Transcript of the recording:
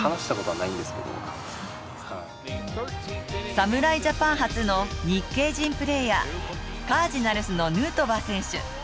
侍ジャパン初の日系人プレーヤー、カージナルスのヌートバー選手。